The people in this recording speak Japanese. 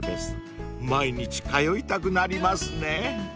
［毎日通いたくなりますね］